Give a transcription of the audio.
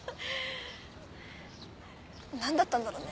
何だったんだろうね。